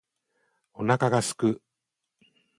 お腹が空く